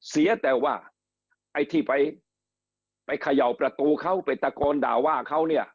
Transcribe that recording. เสียแต่ว่าไอ้ที่ไปไปเขย่าประตูเขาไปตะโกนด่าว่าเขาเนี่ย